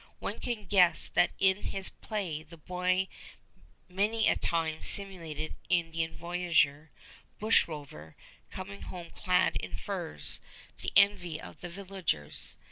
One can guess that in his play the boy many a time simulated Indian voyageur, bushrover, coming home clad in furs, the envy of the villagers.